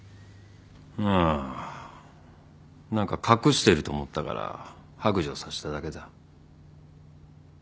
ああ何か隠してると思ったから白状させただけだ。